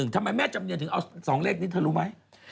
ทำไมแม่จำเนียนถึงเอา๒เลขนี้เธอรู้ไหม